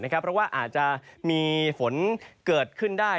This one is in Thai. เพราะว่าอาจจะมีฝนเกิดขึ้นได้